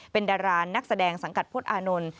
เป็นดารานักแสดงสังกัดพลตอานนท์